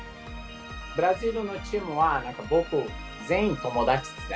ブラジルのチームは僕、全員友達ですね。